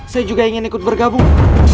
saya juga ingin ikut bergabung